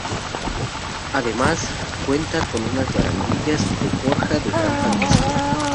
Además, cuenta con unas barandillas de forja de gran fantasía.